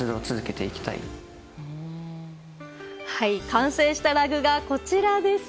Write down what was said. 完成したラグがこちらです。